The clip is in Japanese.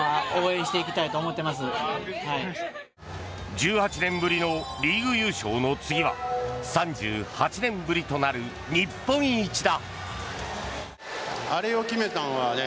１８年ぶりのリーグ優勝の次は３８年ぶりとなる日本一だ。